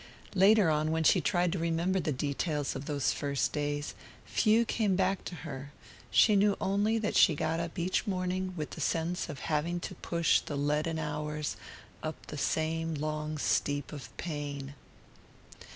Later on, when she tried to remember the details of those first days, few came back to her: she knew only that she got up each morning with the sense of having to push the leaden hours up the same long steep of pain.